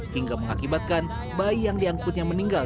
hingga mengakibatkan bayi yang diangkutnya meninggal